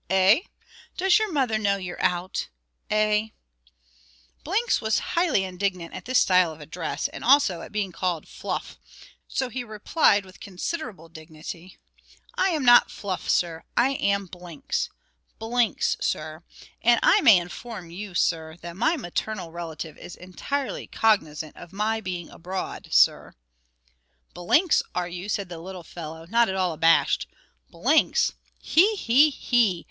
Eh? Does your mother know you're out? Eh?" Blinks was highly indignant at this style of address, and also at being called Fluff, so he replied with considerable dignity, "I am not Fluff, sir; I am Blinks, Blinks, sir; and I may inform you, sir, that my maternal relative is entirely cognisant of my being abroad, sir." "Blinks, are you?" said the little fellow, not at all abashed. "Blinks! He! he! he!